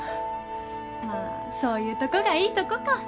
まあそういうとこがいいとこか